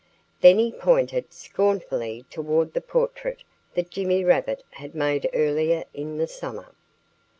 Then he pointed scornfully toward the portrait that Jimmy Rabbit had made earlier in the summer.